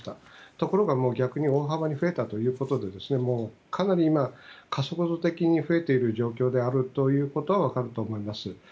ところが逆に大幅に増えたということでかなり今、加速度的に増えている状況だということが分かると思います。